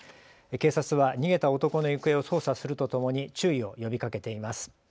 警察は逃げた男の行方を捜査するとともに注意を呼びかけています。